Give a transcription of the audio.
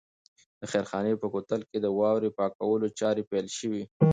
د خیرخانې په کوتل کې د واورې پاکولو چارې پیل شوې.